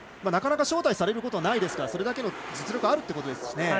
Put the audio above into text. なかなか招待されることもないですからそれだけの実力があるということですね。